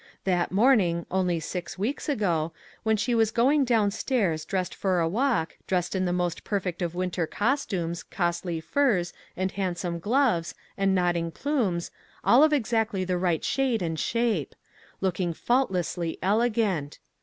That morning, only six weeks ago, when she was going down stairs dressed for a walk, dressed in the most perfect of winter costumes, costly furs, and 390 "WHAT ELSE COULD ONE DO?" handsome gloves, and nodding plumes, all of exactly the right shade and shape; looking faultlessly elegant.